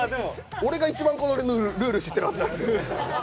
俺が一番このルール知ってるはずなのに。